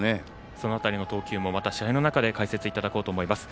その辺りの解説もまた試合の中で解説いただきます。